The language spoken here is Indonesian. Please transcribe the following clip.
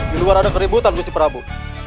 diluar ada keributan gusti prabu